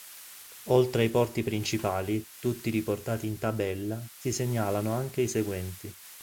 Oltre ai porti principali, tutti riportati in tabella, si segnalano anche i seguenti.